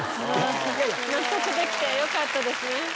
納得できてよかったですね。